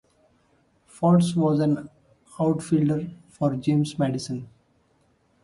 Foltz was an outfielder for James Madison.